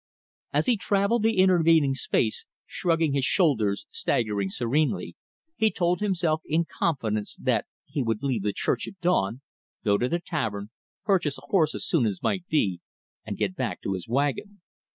As he travelled the intervening space, shrugging his shoulders, staggering serenely, he told himself in confidence that he would leave the church at dawn, go to the tavern, purchase a horse as soon as might be, and get back to his wagon.